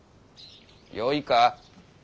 よいか。